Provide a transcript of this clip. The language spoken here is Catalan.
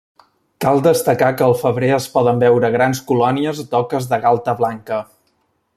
Cal destacar que al febrer es poden veure grans colònies d'oques de galta blanca.